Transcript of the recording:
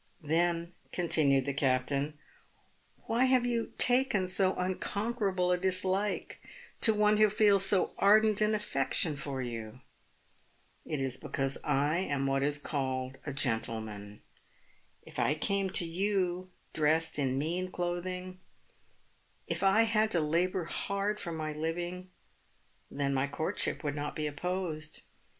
" Then," continued the captain, " why have you taken so unconquerable a dislike to one who feels so ardent an affection for you ? It is because I am what is called a gentleman. If I came to you dressed in mean clothing — if I had to labour hard for my living — then my courtship would not be oppose^.